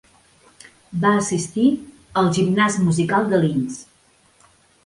Va assistir al Gimnàs musical de Linz.